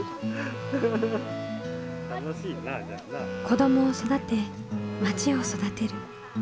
子どもを育てまちを育てる。